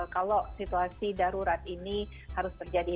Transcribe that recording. kalau situasi darurat ini harus terjadi